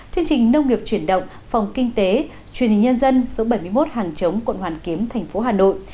chương trình nông nghiệp chuyển động phòng kinh tế chuyên hình nhân dân số bảy mươi một hàng chống quận hoàn kiếm tp hà nội